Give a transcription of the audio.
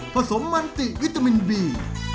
สมมันติวิตามินบี